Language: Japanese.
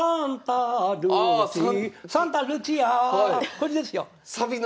これですよ。